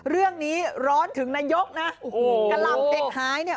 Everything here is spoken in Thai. เรื่องนี้ร้อนถึงนายกนะกระหล่ำเด็กหายเนี่ย